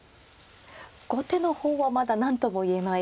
後手の方はまだ何とも言えない形ですか。